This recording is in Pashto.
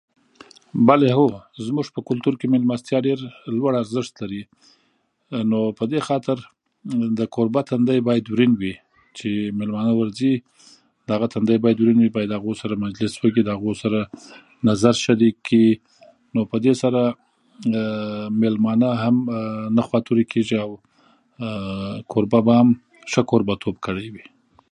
بلی هو زمونږ په کلتور کې ملمستیاوې ډېر لوړ ارزښت لري ،نو په دې خاطر بايد د کوربه تندی باید ورین وي چې میلمانه ورځي د هغه تندی باید ورین وي د هغو سره مجلس وکړي ، هغو سره نظر شریک کړي نو په دې سره میلمانه نه خواتوري يا (نه خفه کيږي) کوربه به هم ښه کوربتوب کړی وي.